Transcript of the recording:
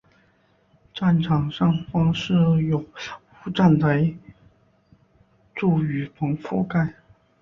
站场上方设有无站台柱雨棚覆盖。